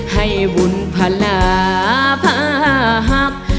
ให้บุญพลาพาหัก